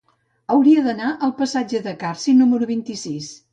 Hauria d'anar al passatge de Carsi número vint-i-sis.